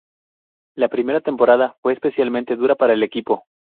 La primera temporada fue especialmente dura para el equipo.